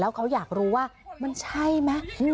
เขาอยากรู้ว่ามันใช่ไหม